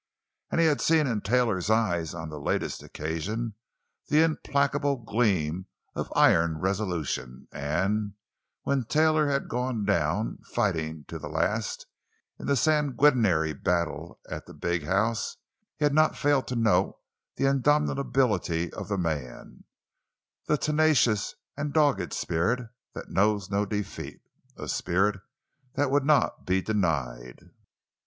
And he had seen in Taylor's eyes on the latest occasion the implacable gleam of iron resolution and—when Taylor had gone down, fighting to the last, in the sanguinary battle at the big house, he had not failed to note the indomitability of the man—the tenacious and dogged spirit that knows no defeat—a spirit that would not be denied.